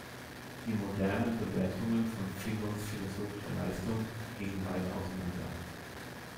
Die modernen Bewertungen von Philons philosophischer Leistung gehen weit auseinander.